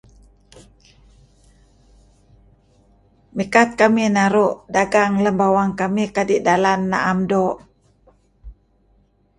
Mikat kamih naruh dagang lam bawang kamih kadih dalan naam do.